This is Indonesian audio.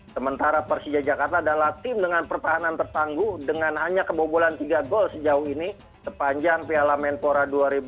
sementara persija jakarta adalah tim dengan pertahanan tertangguh dengan hanya kebobolan tiga gol sejauh ini sepanjang piala menpora dua ribu dua puluh